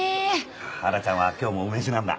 ハラちゃんは今日も梅酒なんだ？